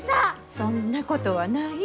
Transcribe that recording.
そんなことはない。